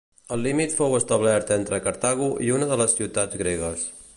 El límit fou establert entre Cartago i una de les ciutats gregues.